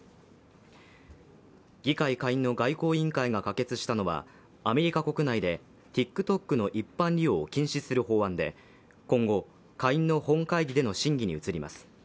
議会下院の外交委員会が可決したのはアメリカ国内でＴｉｋＴｏｋの一般利用を禁止する法案で今後、下院の本会議での審議に移ります。